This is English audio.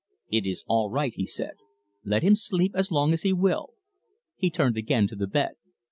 "It is all right," he said. "Let him sleep as long as he will." He turned again to the bed.